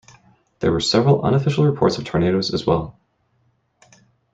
There were several unofficial reports of tornadoes as well.